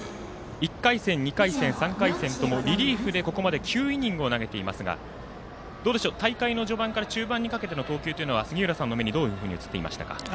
１回戦、２回戦、３回戦ともリリーフで、ここまで９イニングを投げていますが大会の序盤から中盤にかけての投球は杉浦さんの目に、どういうふうに映っていましたか。